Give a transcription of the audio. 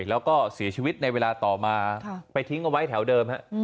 แล้วก็เสียชีวิตในเวลาต่อมาไปทิ้งเอาไว้แถวเดิม